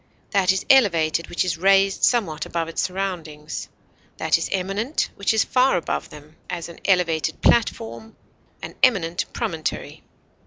That is elevated which is raised somewhat above its surroundings; that is eminent which is far above them; as, an elevated platform; an eminent promontory.